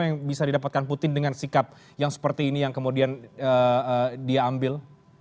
apa yang bisa didapatkan putin dengan sikap yang seperti ini yang kemudian dia ambil